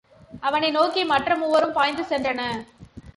அவனை நோக்கி மற்ற மூவரும் பாய்ந்து சென்றனர்.